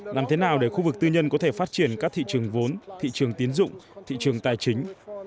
làm thế nào để khu vực tư nhân có thể phát triển các thị trường vốn thị trường tiến dụng thị trường tài chính